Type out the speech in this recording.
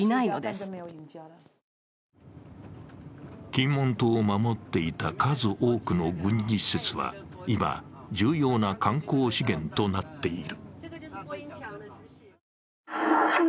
金門島を守っていた数多くの軍事施設は、今、重要な観光資源となっている。